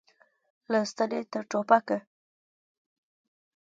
له ستنې تر ټوپکه.